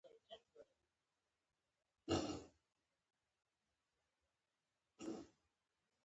هغه تمه هم لنډه شوه.